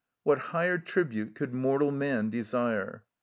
What higher tribute could mortal man desire